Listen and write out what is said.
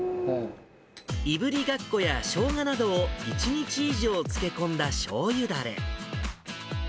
いぶりがっこやしょうがなどを１日以上漬け込んだしょうゆだれ。